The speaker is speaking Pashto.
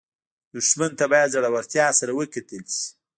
دښمن ته باید زړورتیا سره وکتل شي